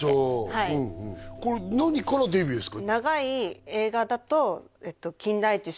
はいこれ何からデビューですか？